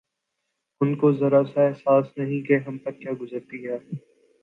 ان کو ذرا سا احساس نہیں کہ ہم پر کیا گزرتی ہے